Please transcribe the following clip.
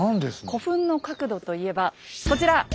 古墳の角度と言えばこちら。